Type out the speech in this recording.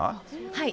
はい。